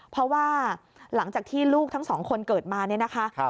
เพราะว่าหลังจากที่ลูกทั้งสองคนเกิดมาเนี่ยนะคะ